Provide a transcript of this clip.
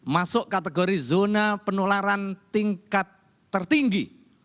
masuk kategori zona penularan tingkat tertinggi